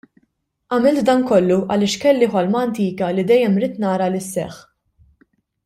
Għamilt dan kollu għaliex kelli ħolma antika li dejjem ridt nara li sseħħ.